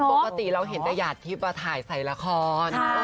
ปกติเราเห็นแต่หยาดทิพย์ถ่ายใส่ละคร